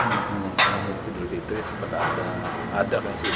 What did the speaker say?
sehingga pak rt edul fitri katanya sempat melihat